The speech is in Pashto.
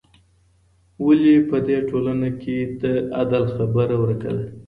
ولي په دې ټولنه کي د عدل خبره ورکه ده؟